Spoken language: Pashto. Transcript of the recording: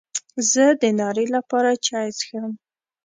زه د ناري لپاره چای څښم.